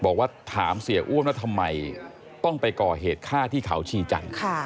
บอกว่าถามเสียอ้วนว่าทำไมต้องไปก่อเหตุฆ่าที่เขาชีจันทร์